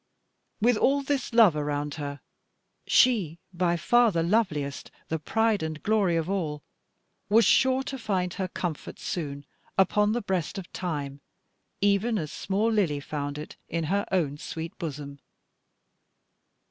With all this love around her, she by far the loveliest, the pride and glory of all, was sure to find her comfort soon upon the breast of time, even as small Lily found it in her own sweet bosom.